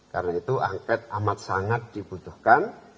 karena itu angket amat sangat dibutuhkan